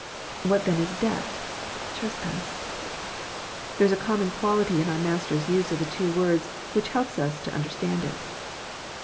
What then is debt, trespass? There is a common quality in our Master's use of the two words which helps us to understand it.